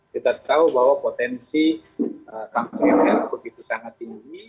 kita tahu bahwa potensi kang emil begitu sangat tinggi